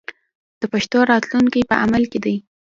د پښتو راتلونکی په عمل کې دی.